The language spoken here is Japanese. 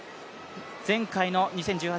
前回の２０１８